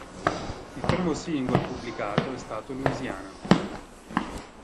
Il primo single pubblicato è stato "Louisiana".